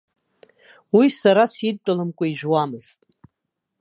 Уи сара сидтәаламкәа ижәуамызт.